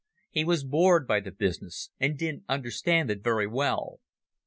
He was bored by the business, and didn't understand it very well.